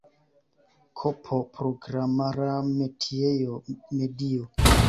Kp programara metiejo, medio.